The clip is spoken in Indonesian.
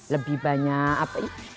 lebih banyak apa ya